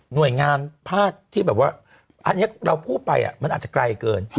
หน่วยงานภาคที่แบบว่าอันนี้เราพูดไปมันอาจจะไกลเกิน